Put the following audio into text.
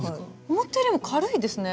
思ったよりも軽いですね。